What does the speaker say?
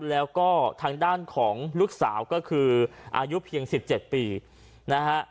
แล้วก็ทางด้านของลูกสาวก็คืออายุเพียง๑๗ปีนะฮะ